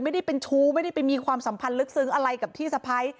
ไม่ได้เป็นชู้ไม่ได้ไปมีความสัมพันธ์ลึกซึ้งอะไรกับพี่สะพ้าย